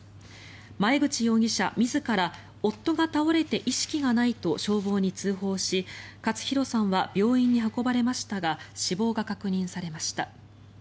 前口容疑者自ら夫が倒れて意識がないと消防に通報し勝弘さんは病院に運ばれましたが死亡が確認されました。